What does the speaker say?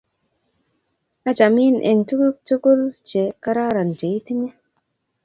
achamin eng' tuguk tugul che kararan cheitinye